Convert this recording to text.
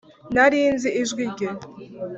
nari nzi ijwi rye